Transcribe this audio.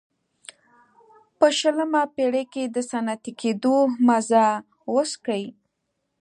په شلمه پېړۍ کې د صنعتي کېدو مزه وڅکي.